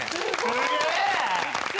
すげえ！